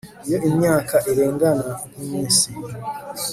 iyo imyaka irengana nkiminsi